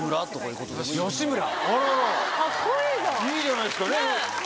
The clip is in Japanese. いいじゃないすかねぇ。